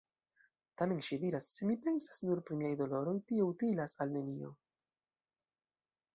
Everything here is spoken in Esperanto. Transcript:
Tamen ŝi diras: “Se mi pensas nur pri miaj doloroj, tio utilas al nenio.